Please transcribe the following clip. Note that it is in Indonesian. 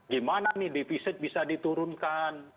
gimana nih defisit bisa diturunkan